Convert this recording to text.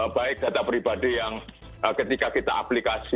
baik data pribadi yang ketika kita aplikasi